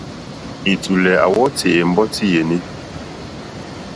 Ɛ̀tùlɛ̀ à wɔ́tì ɛ̀mbɔ́tí yèní.